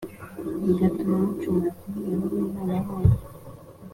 bigatuma mucumura kuri Yehova Imana yanyu